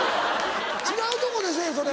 違うとこでせぇそれ。